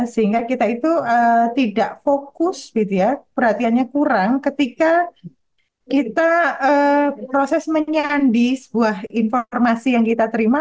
sehingga kita itu tidak fokus perhatiannya kurang ketika kita proses menyandi sebuah informasi yang kita terima